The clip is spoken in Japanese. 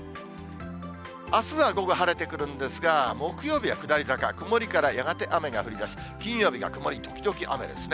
あすは午後、晴れてくるんですが、木曜日は下り坂、曇りからやがて雨が降りだし、金曜日が曇り時々雨ですね。